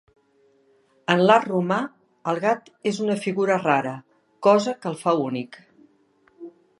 En l'art romà el gat és una figura rara, cosa que el fa únic.